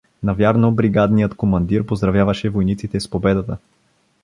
Навярно бригадният командир поздравяваше войниците с победата.